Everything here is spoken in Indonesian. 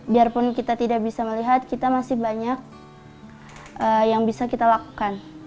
biarpun kita tidak bisa melihat kita masih banyak yang bisa kita lakukan